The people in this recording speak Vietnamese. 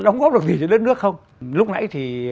đóng góp được gì cho đất nước không lúc nãy thì